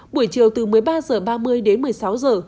buổi chiều từ một mươi ba h ba mươi đến một mươi sáu giờ